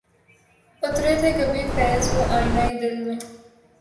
اترے تھے کبھی فیضؔ وہ آئینۂ دل میں